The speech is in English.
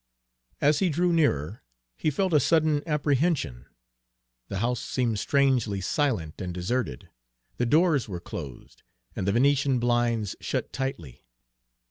As he drew nearer, he felt a sudden apprehension. The house seemed strangely silent and deserted. The doors were closed, and the Venetian blinds shut tightly.